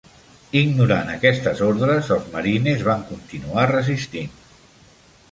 Ignorant aquestes ordres, els marines van continuar resistint.